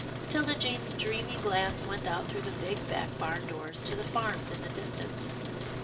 'Tilda Jane's dreamy glance went out through the big back barn doors, to the farms in the dis tance.